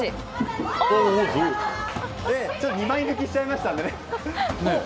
２枚抜きしちゃいましたので。